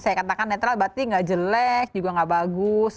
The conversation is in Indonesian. saya katakan netral berarti gak jelek juga gak bagus